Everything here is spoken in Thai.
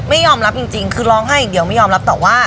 ไม่ยอมรับจริงคือร้องไห้อย่างเดียวไม่ยอมรับแต่ว่า